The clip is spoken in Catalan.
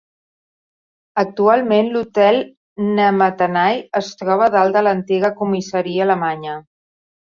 Actualment l'hotel Namatanai es troba dalt de l'antiga comissaria alemanya.